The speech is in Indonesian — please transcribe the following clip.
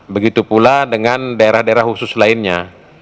begitu pula dengan daerah daerah khusus lainnya